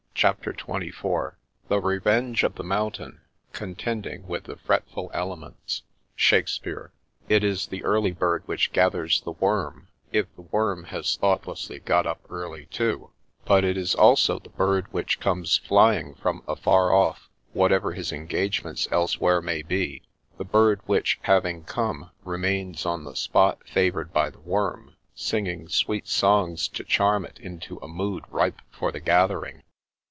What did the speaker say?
CHAPTER XXIV Sbe Veveti^e of the Aoutitafn *' Contending with the fretful elements." — Shakxspbarx. It is the early bird which gathers the worm, if the worm has thoughtlessly got up early too ; but it is also the bird which comes flying from afar off, whatever his engagements elsewhere may be; the bird which, having come, remains on the spot fa voured by the worm, singing sweet songs to charm it into a mood ripe for the gathering.